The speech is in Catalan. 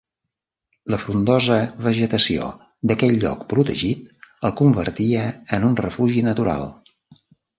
La frondosa vegetació d'aquell lloc protegit el convertia en un refugi natural.